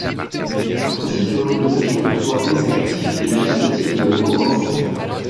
Elle précise l'organisation des pouvoirs exécutif et législatif de la province.